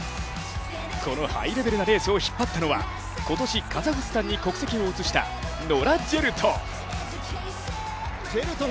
このハイレベルなレースを引っ張ったのは今年、カザフスタンに国籍を移したノラ・ジェルト。